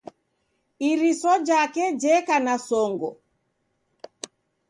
Iriso jake jeka na songo